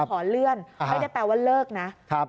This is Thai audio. ขอเลื่อนไม่ได้แปลว่าเลิกนะ